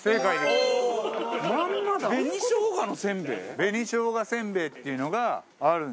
紅生姜せんべいっていうのがあるんですよ。